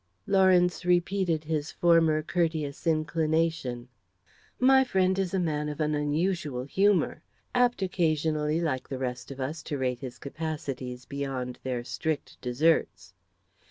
Lawrence repeated his former courteous inclination. "My friend is a man of an unusual humour. Apt, occasionally, like the rest of us, to rate his capacities beyond their strict deserts."